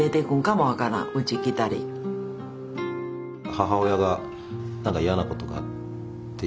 母親が何か嫌なことがあってしくしく